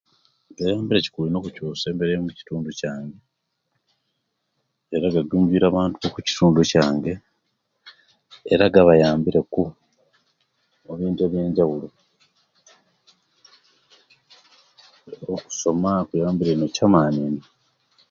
Gayambire kikulu ino okuchusia embera ya mukitundu kyange era gajjumbire abantu kukitundu kyange era gabayambire ku mubintu ebyanjawulo okusoma kuyambire ino kyamani ino